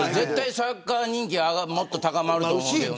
サッカー人気もっと高まると思うけど。